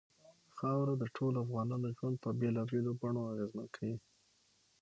خاوره د ټولو افغانانو ژوند په بېلابېلو بڼو اغېزمن کوي.